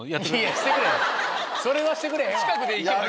それはしてくれへんわ。